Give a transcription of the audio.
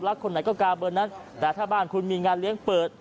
คนไหนก็กาเบอร์นั้นแต่ถ้าบ้านคุณมีงานเลี้ยงเปิด